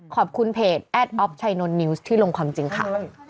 เพจแอดออฟชัยนนนิวส์ที่ลงความจริงค่ะ